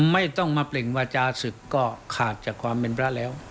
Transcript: ไม่ต้องมาเปล่งวาจาศึกก็ขาดจากความเป็นพระแล้ว